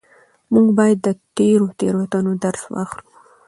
موږ بايد له تېرو تېروتنو درس واخلو.